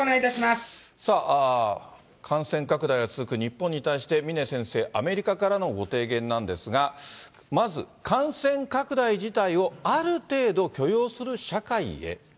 さあ、感染拡大が続く日本に対して、峰先生、アメリカからのご提言なんですが、まず感染拡大自体をある程度、許容する社会へ。